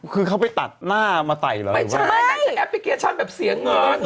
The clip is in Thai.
คือเขาไปตัดหน้ามาไต่หรอไม่ใช่แอปพลิเคชันแบบเสียงเหงา